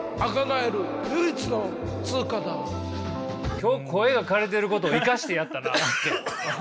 今日声がかれてることを生かしてやったな。